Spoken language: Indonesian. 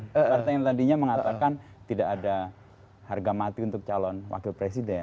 partai yang tadinya mengatakan tidak ada harga mati untuk calon wakil presiden